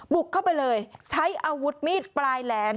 บุกเข้าไปเลยใช้อาวุธมีดปลายแหลม